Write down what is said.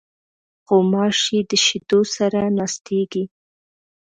غوماشې د شیدو سره ناستېږي.